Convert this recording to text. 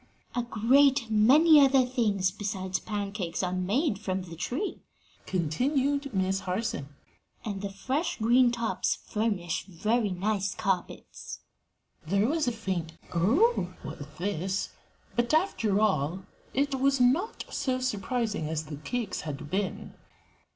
"A great many other things besides pancakes are made from the tree," continued Miss Harson, "and the fresh green tops furnish very nice carpets." There was a faint "Oh!" at this, but, after all, it was not so surprising as the cakes had been.